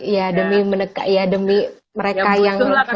ya demi mereka yang